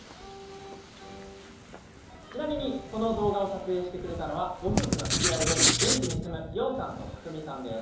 ちなみにこの動画を撮影してくれたのはご夫婦の知り合いで、現地に住む琢実さんと陽さんです。